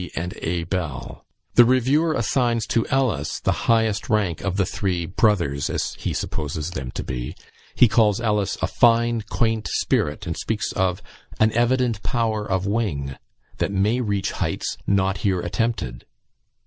and A. Bell. The reviewer assigns to Ellis the highest rank of the three "brothers," as he supposes them to be; he calls Ellis "a fine, quaint spirit;" and speaks of "an evident power of wing that may reach heights not here attempted."